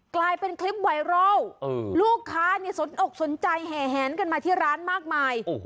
กลายเป็นคลิปไวรัลลูกค้าสนอกสนใจแห่แหนกันมาที่ร้านมากมาย